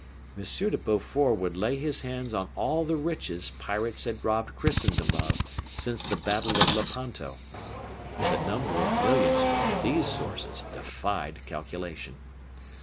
M. de Beaufort would lay his hands on all the riches pirates had robbed Christendom of since the battle of Lepanto. The number of millions from these sources defied calculation.